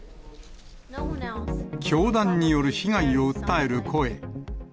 教団による被害を訴える声。